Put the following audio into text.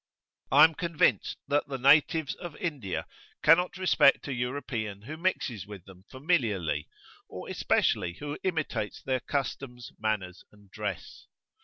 I am convinced that the natives of India cannot respect a European who mixes with them familiarly, or especially who imitates their customs, manners, and dress.